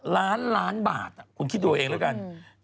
ล้านล้านบาทคุณคิดดูเองแล้วกัน